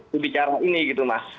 jubicara ini gitu mas